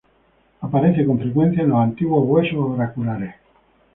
Aparece con frecuencia en los antiguos huesos oraculares.